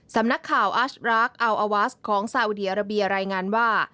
สำนักข่าวอัชรักอัลอาวาสของซาอุดีอาราเบียรายงานว่า